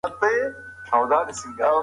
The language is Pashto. دا ټکنالوجي د ونو خطر ارزوي.